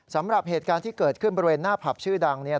สำหรับเหตุการณ์ที่เกิดขึ้นบริเวณหน้าผับชื่อดังเนี่ย